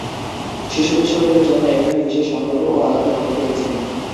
শিশু-কিশোরদের জন্য এখানে বিশেষ সংগ্রহ ও আলাদা কক্ষ রয়েছে।